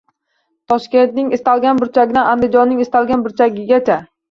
Toshkentning istalgan burchagidan Andijonning istalgan burchagigacha